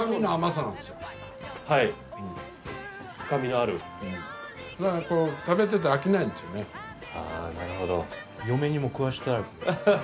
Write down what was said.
あぁなるほど。